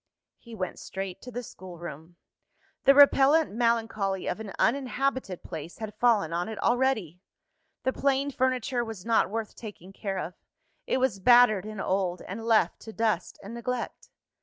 He went straight to the schoolroom. The repellent melancholy of an uninhabited place had fallen on it already. The plain furniture was not worth taking care of: it was battered and old, and left to dust and neglect.